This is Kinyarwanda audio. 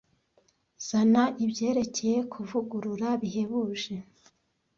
zana ibyerekeye kuvugurura bihebuje